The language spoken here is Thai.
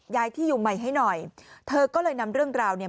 ย้ายที่อยู่ใหม่ให้หน่อยเธอก็เลยนำเรื่องราวเนี่ย